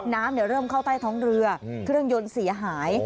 น้ำเริ่มเข้าใต้ท้องเรือเครื่องยนต์เสียหาย